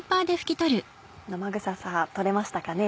生臭さが取れましたかね。